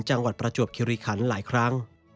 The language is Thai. จังหวัดประจวบคิริคัณหลายครั้ง